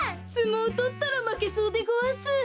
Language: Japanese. すもうとったらまけそうでごわす。